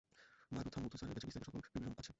মারুথামুথু স্যারের কাছে বিস্তারিত সকল বিবরণ আছে।